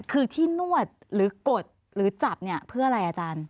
คือที่นวดหรือกดหรือจับเนี่ยเพื่ออะไรอาจารย์